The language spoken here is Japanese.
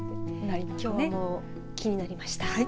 きょうも気になりました。